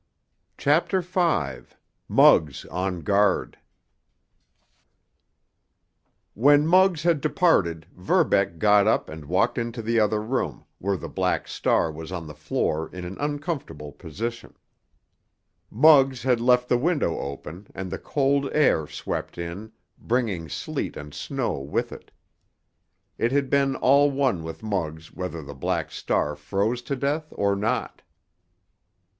CHAPTER V—MUGGS ON GUARD When Muggs had departed Verbeck got up and walked into the other room, where the Black Star was on the floor in an uncomfortable position. Muggs had left the window open, and the cold air swept in, bringing sleet and snow with it. It had been all one with Muggs whether the Black Star froze to death or not.